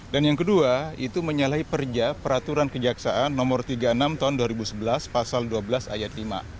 dan yang kedua itu menyalahi peraturan kejaksaan nomor tiga puluh enam tahun dua ribu sebelas pasal dua belas ayat lima